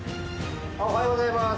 おはようございます。